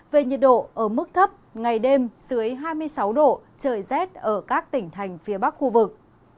về nhiệt độ ở mức thấp ngày đêm dưới hai mươi sáu độ trời rét ở các tỉnh thành phía bắc khu vực